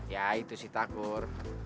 ya itu si takur